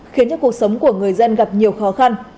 khiến cho cuộc sống của người dân gặp nhiều khó khăn